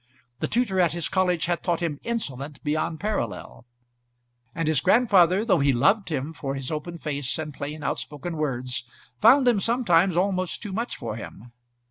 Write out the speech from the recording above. The tutor at his college had thought him insolent beyond parallel; and his grandfather, though he loved him for his open face and plain outspoken words, found them sometimes almost too much for him.